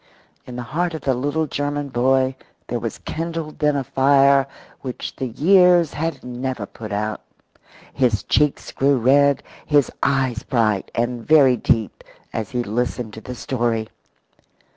In the heart of the little German boy there was kindled then a fire which the years had never put out. His cheeks grew red, his eyes bright and very deep as he listened to the story.